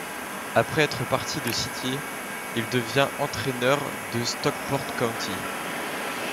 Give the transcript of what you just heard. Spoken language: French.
Après être parti de City, il devient entraîneur de Stockport County.